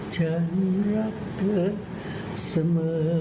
ฉันรักเธอเสมอ